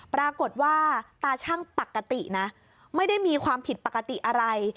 ปรากฏว่าตาชั่งปกตินะไม่ได้มีความผิดปกติอะไร